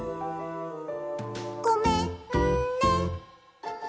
「ごめんね」